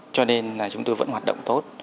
cho nên là chúng tôi vẫn hoạt động tốt